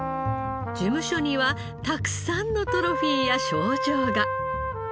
事務所にはたくさんのトロフィーや賞状が。